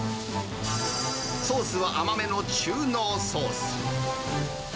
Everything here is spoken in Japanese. ソースは甘めの中濃ソース。